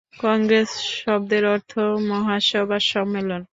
কংগ্রেস শব্দের অর্থ "মহাসভা, সম্মেলন"।